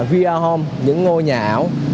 vr home những ngôi nhà ảo